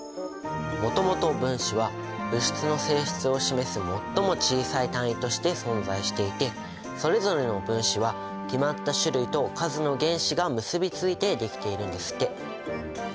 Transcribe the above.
もともと分子は物質の性質を示す最も小さい単位として存在していてそれぞれの分子は決まった種類と数の原子が結びついてできているんですって。